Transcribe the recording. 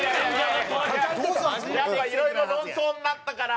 やっぱいろいろ論争になったから。